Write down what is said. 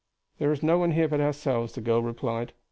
"There is no one here but ourselves," the girl replied.